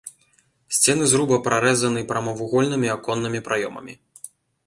Сцены зруба прарэзаны прамавугольнымі аконнымі праёмамі.